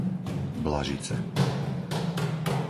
Blažice